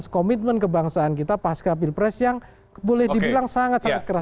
komitmen kebangsaan kita pasca pilpres yang boleh dibilang sangat sangat keras